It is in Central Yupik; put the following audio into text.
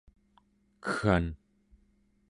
keggan